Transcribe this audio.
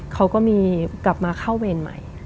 เขาก็มีกลับมาเข้าเวรใหม่